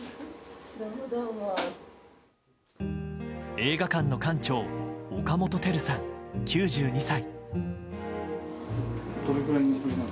映画館の館長岡本照さん、９２歳。